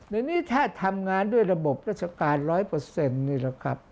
ในนี้ถ้าทำงานด้วยระบบราชการร้อยเปอร์เซ็นต์นี่ล่ะครับ